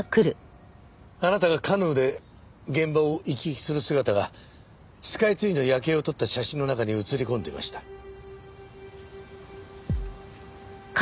あなたがカヌーで現場を行き来する姿がスカイツリーの夜景を撮った写真の中に写り込んでいました。